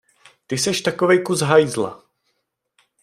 Ty seš takovej kus hajzla!